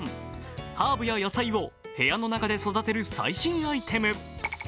ハーブや野菜を部屋の中で育てる最新アイテム。